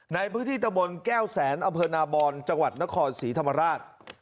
ในพื้นที่ตะบนแก้วแสนอำเภอนาบอนจังหวัดนครศรีธรรมราช